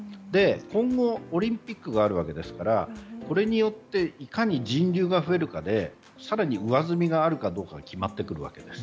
今後、オリンピックがあるわけですからこれによっていかに人流が増えるかで更に上積みがあるかどうかが決まってくるわけです。